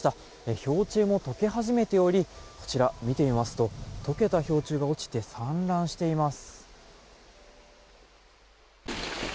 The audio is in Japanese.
氷柱も解け始めておりこちら、見てみますと解けた氷柱が落ちて散乱しています。